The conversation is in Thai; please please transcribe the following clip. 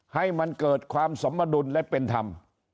ให้มันเกิดความสมดุลและเป็นธรรม